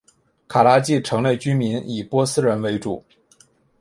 卡拉季城内居民以波斯人为主。